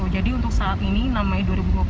jadi untuk saat ini enam mei dua ribu dua puluh satu